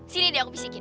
sini deh aku pisikin